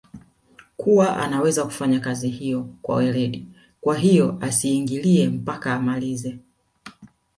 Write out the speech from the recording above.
kuwa anaweza kufanya kazi hiyo kwa weredi kwahiyo asiingilie mpaka amalize